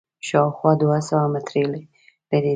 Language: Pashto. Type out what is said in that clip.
شاوخوا دوه سوه متره لرې ده.